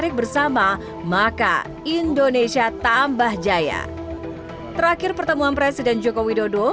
terakhir pertemuan presiden joko widodo